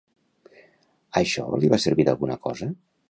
Això li va servir d'alguna cosa?